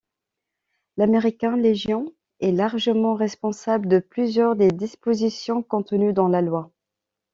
L'American Legion est largement responsable de plusieurs des dispositions contenues dans la loi.